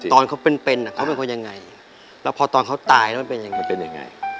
ตอนเขาเป็นเป็นเขาเป็นคนยังไงแล้วพอตอนเขาตายแล้วมันเป็นยังไง